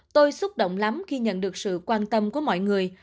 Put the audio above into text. tôi xúc động lắm khi nhận được sự quan tâm của mọi người